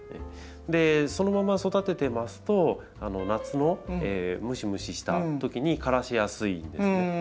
そのまま育ててますと夏のムシムシしたときに枯らしやすいんですね。